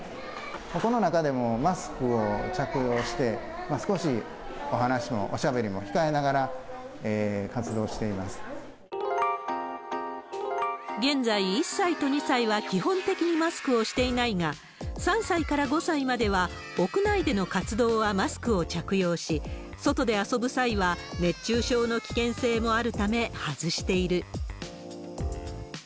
この中でもマスクを着用して、少しお話も、おしゃべりも控えながら、現在、１歳と２歳は基本的にマスクをしていないが、３歳から５歳までは、屋内での活動はマスクを着用し、外で遊ぶ際は、熱中症の危険性もあるため外している。